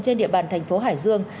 trên địa bàn thành phố hải dương